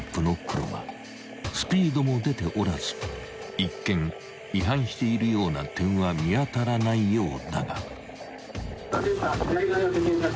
［スピードも出ておらず一見違反しているような点は見当たらないようだが］